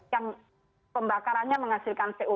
yang pembakarannya menghasilkan co dua